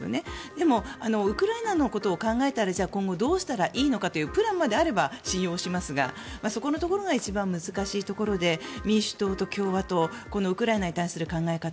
でもウクライナのことを考えたら今後、どうしたらいいのかというプランまであるなら信用しますがそこのところが一番難しいところで民主党と共和党ウクライナに対する考え方